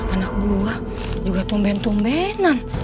anak buah juga tumben tumbenan